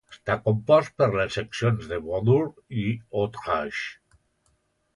Està compost per les seccions de Baudour i Hautrage.